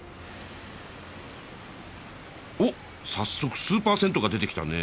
おっ早速スーパー銭湯が出てきたね。